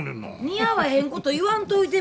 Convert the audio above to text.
似合わへんこと言わんといて。